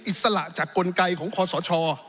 อิสระจากกลไกของคอสช